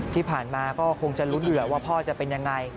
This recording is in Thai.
ที่ผ่านมาก็คงจะลุ้นเหลือว่าพ่อจะเป็นยังไง